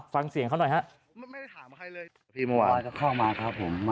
ฟังเสียงเขาหน่อยฮะ